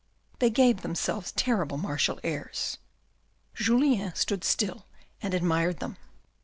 They gave themselves terrible martial airs. Julien stood still and admired them.